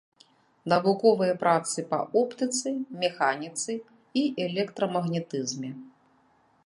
Навуковыя працы па оптыцы, механіцы і электрамагнетызме.